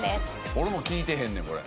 俺も聞いてへんねんこれ。